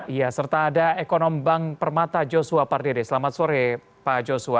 iya serta ada ekonom bank permata joshua pardede selamat sore pak joshua